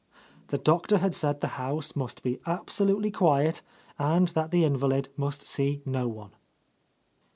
The Doctor had said the house must be absolutely quiet and that the invalid must see no one.